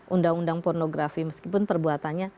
undang undang pornografi meskipun perbuatannya